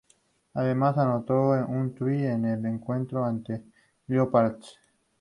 Además anotó un try en el encuentro ante Leopards.